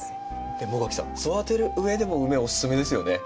茂垣さん育てるうえでもウメおすすめですよね。